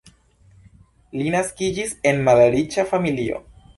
Li naskiĝis en malriĉa familio.